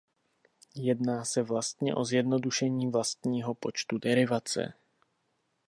Jedná se vlastně o zjednodušení vlastního výpočtu derivace.